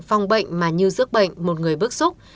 phòng bệnh mà như giấc bệnh một người bức xúc